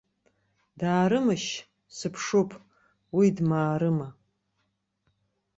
Даарымашь, сыԥшуп, уи дмаарыма?